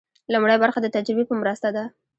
لومړۍ برخه د تجربې په مرسته ده.